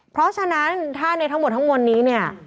เพราะฉะนั้นถ้าไหนถ้าเกิดทั้งหมดข้างบนนี้